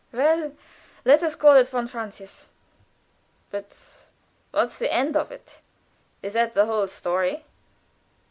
"Well let us call it von Francius." "But what's the end of it? Is that the whole story?"